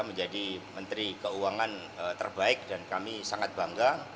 menjadi menteri keuangan terbaik dan kami sangat bangga